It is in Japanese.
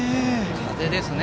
風ですね。